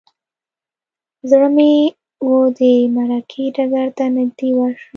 زړه مې و د معرکې ډګر ته نږدې ورشم.